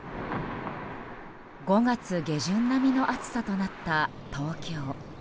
５月下旬並みの暑さとなった東京。